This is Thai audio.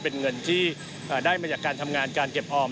เป็นเงินที่ได้มาจากการทำงานการเก็บออม